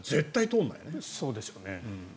そうでしょうね。